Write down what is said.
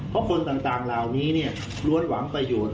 เพราะคนต่างราวนี้เนี่ยล้วนหวังประโยชน์